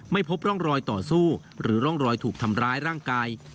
พบร่องรอยต่อสู้หรือร่องรอยถูกทำร้ายร่างกาย